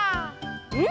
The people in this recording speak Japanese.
うん！